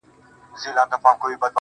د رڼاگانو شيسمحل کي به دي ياده لرم.